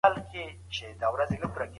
د ویري او ډار فضا نه وه.